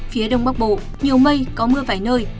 phía đông bắc bộ nhiều mây có mưa vài nơi